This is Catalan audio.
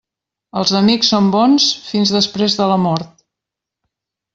Els amics són bons fins després de la mort.